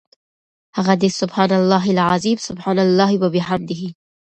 هغه دي سُبْحَانَ اللَّهِ العَظِيمِ، سُبْحَانَ اللَّهِ وَبِحَمْدِهِ .